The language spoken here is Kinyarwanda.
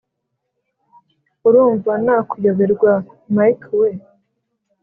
urumva nakuyoberwa mike we?"